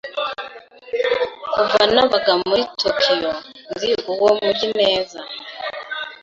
Kuva nabaga muri Tokiyo, nzi uwo mujyi neza.